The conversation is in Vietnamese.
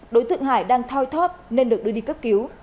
đối tượng hải đang thoi thóp nên được đưa đi cấp cứu